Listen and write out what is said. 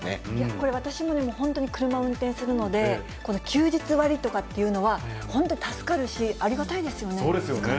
これ、私もね、本当に車を運転するので、休日割とかっていうのは、本当に助かるし、ありがたそうですよね。